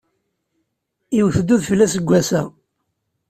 Iwet-d udfel aseggas-a.